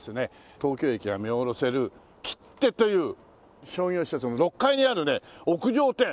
東京駅が見下ろせるＫＩＴＴＥという商業施設の６階にあるね屋上庭園。